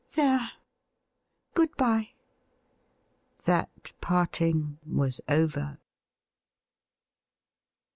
There, good bye.' That parting weis over.